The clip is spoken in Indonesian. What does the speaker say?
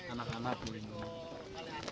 anak anak boleh minum